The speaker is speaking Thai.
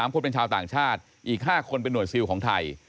๓คนเป็นชาวต่างชาติอีก๕คนเป็นห่วยซิลของไทย